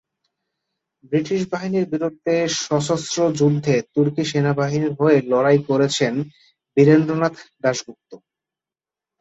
British বাহিনীর বিরুদ্ধে সশস্ত্র যুদ্ধে তুর্কি সেনাবাহিনীর হয়ে লড়াই করেছেন বীরেন্দ্রনাথ দাশগুপ্ত।